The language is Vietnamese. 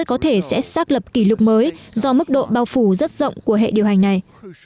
có thể sẽ xác lập kỷ lục mới do mức độ bao phủ rất rộng của hệ điều hành này